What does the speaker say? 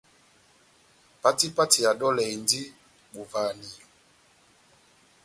Pati pati ya dolɛ endi bovahaniyo.